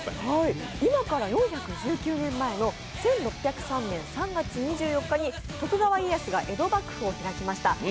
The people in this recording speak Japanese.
今から４１９年前の１６０３年３月２４日に徳川家康が江戸幕府を開きました。